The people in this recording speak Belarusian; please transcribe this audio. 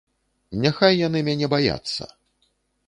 Няхай яны мяне баяцца.